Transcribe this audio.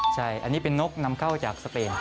ใช่อันนี้เป็นนกนำเข้าจากสเปน